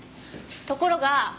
ところが。